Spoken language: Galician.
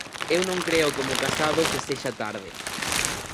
Eu non creo como Casado que sexa tarde.